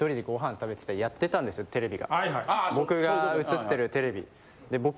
僕が映ってるテレビ。